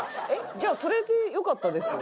じゃあそれでよかったですよ